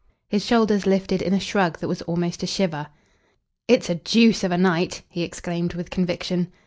His shoulders lifted in a shrug that was almost a shiver. "It's a deuce of a night," he exclaimed with conviction.